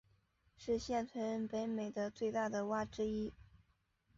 是现存北美的最大的蛙之一。